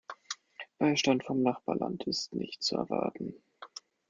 Beistand vom Nachbarland ist nicht zu erwarten.